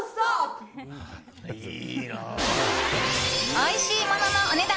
おいしいもののお値段